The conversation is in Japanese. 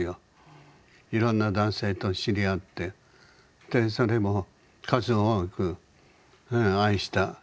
いろんな男性と知り合ってでそれも数多く愛した。